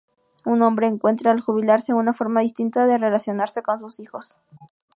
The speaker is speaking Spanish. Un hombre encuentra al jubilarse una forma distinta de relacionarse con sus hijos.